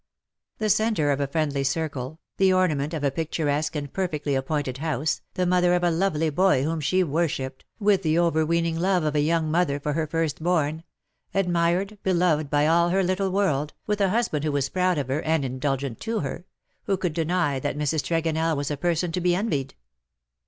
The centre of a friendly circle^, the ornament of a picturesque and perfectly appointed house^ the mother of a lovely boy whom she worshipped, with the overweening love of a young mother for her firstborn — admired, beloved by all her little world, with a husband who was proud of her and indulgent to her — who could deny that Mrs. Tregonell was a person to be envied.